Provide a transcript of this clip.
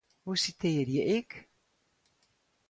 Hoe sitearje ik?